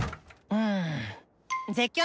うん！